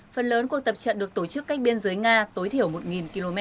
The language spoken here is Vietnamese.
phần lớn cuộc tập trận được tổ chức cách biên giới nga tối thiểu một km